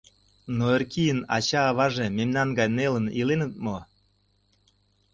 Но Эркийын ача-аваже мемнан гай нелын иленыт мо?